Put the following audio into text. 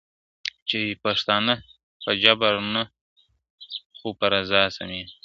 چي پښتانه په جبر نه، خو په رضا سمېږي !.